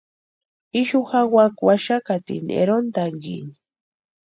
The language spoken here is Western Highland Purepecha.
Ixu jawaka waxakatini erontankini.